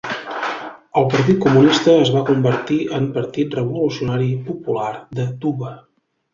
El partit comunista es va convertir en Partit Revolucionari Popular de Tuva.